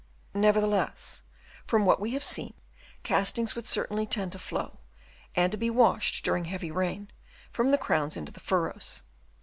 Nevertheless from what we have seen, castings would certainly tend to flow and to be washed during heavy rain from the crowns into the furrows.